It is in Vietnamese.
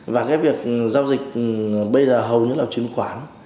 và việc giao dịch bây giờ hầu như là chuyển quán